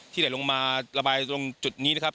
ไหลลงมาระบายตรงจุดนี้นะครับ